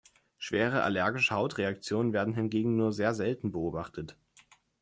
Schwere allergische Hautreaktionen werden hingegen nur sehr selten beobachtet.